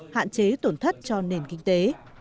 hạn chế tổn thất cho nền kinh tế